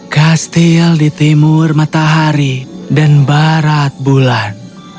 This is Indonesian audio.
kastil di timur matahari dan barat bulan